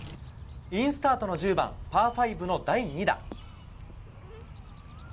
インスタートの１０番パー５の第２打。